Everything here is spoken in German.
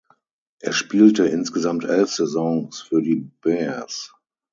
Er spielte insgesamt elf Saisons für die Bears.